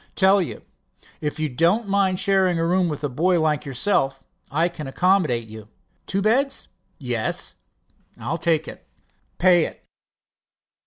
Tell you, if you don't mind sharing a room with a boy like yourself I can accommodate you." "Two beds?" "Yes." "I'll take it." "Pay it."